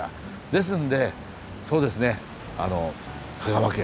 ですんでそうですね香川県